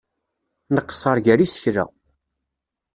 Nqeṣṣer gar yisekla.